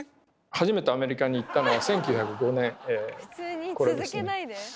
初めてアメリカに行ったのは１９０５年これですね。